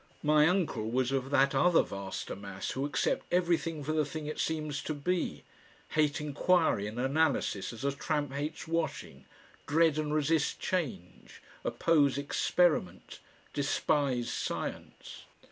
My uncle was of that other vaster mass who accept everything for the thing it seems to be, hate enquiry and analysis as a tramp hates washing, dread and resist change, oppose experiment, despise science.